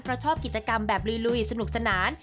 เพราะชอบกิจกรรมแบบลุยสนุกสนาน